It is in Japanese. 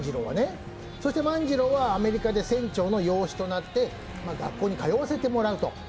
万次郎はアメリカで船長の養子となって学校に通わせてもらう。